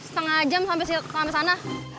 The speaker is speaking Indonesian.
setengah jam sampai sana